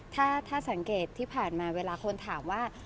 ถ้าสังเกตที่ผ่านมาเวลาคนถามว่า